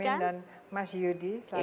pak yamin dan mas yudi selamat malam